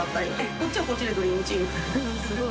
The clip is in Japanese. こっちはこっちでドリームチーム。